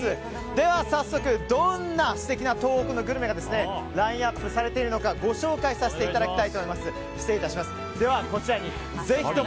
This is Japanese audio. では早速どんな素敵な東北のグルメがラインアップされているのかご紹介させていただきます。